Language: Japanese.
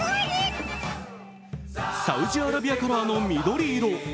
サウジアラビアカラーの緑色。